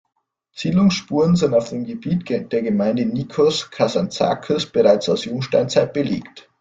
Siedlungsspuren sind auf dem Gebiet der Gemeinde Nikos Kazantzakis bereits aus Jungsteinzeit belegt.